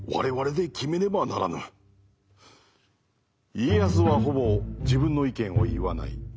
家康はほぼ自分の意見を言わない。